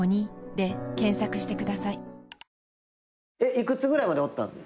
幾つぐらいまでおったん？